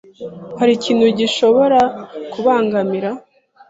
hari ikintu gishobora kubangamira